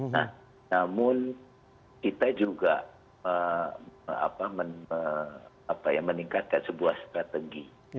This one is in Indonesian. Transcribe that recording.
nah namun kita juga meningkatkan sebuah strategi